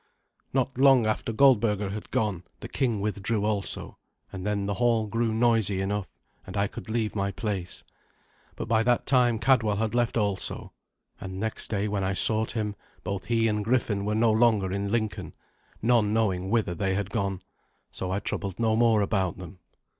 Not long after Goldberga had gone, the king withdrew also, and then the hall grew noisy enough, and I could leave my place. But by that time Cadwal had left also; and next day, when I sought him, both he and Griffin were no longer in Lincoln, none knowing whither they had gone. So I troubled no more about them.